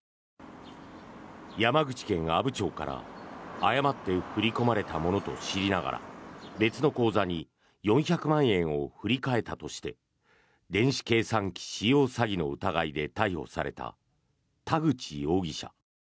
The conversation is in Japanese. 山口県阿武町から誤って振り込まれたものと知りながら別の口座に４００万円を振り替えたとして電子計算機使用詐欺の疑いで逮捕された田口容疑者。